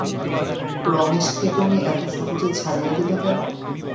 রমেশকে তুমি এত সহজে ছাড়িয়া দিলে কেন?